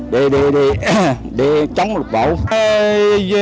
để chống lực lượng